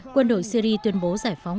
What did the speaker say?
quân đội syri tuyên bố giải phóng